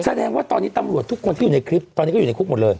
แสดงว่าตอนนี้ตำรวจทุกคนที่อยู่ในคลิปตอนนี้ก็อยู่ในคุกหมดเลย